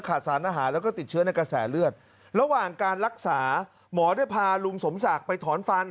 สารอาหารแล้วก็ติดเชื้อในกระแสเลือดระหว่างการรักษาหมอได้พาลุงสมศักดิ์ไปถอนฟัน